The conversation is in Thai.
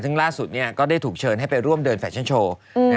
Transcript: ซึ่งล่าสุดก็ได้ถูกเชิญให้ไปร่วมเดินแฟชั่นโชว์